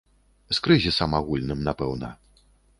З крызісам агульным, напэўна.